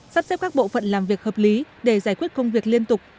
sắp xếp các bộ phận làm việc hợp lý để giải quyết công việc liên tục